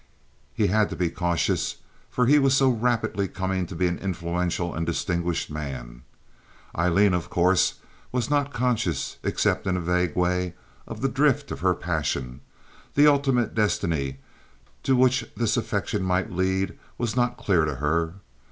He had to be cautious, for he was so rapidly coming to be an influential and a distinguished man. Aileen, of course, was not conscious, except in a vague way, of the drift of her passion; the ultimate destiny to which this affection might lead was not clear to her.